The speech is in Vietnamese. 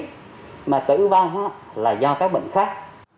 mà tử vong là do các bệnh khác